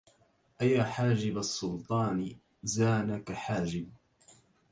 أيا حاجب السلطان زانك حاجب